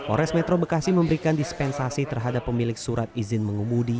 polres metro bekasi memberikan dispensasi terhadap pemilik surat izin mengemudi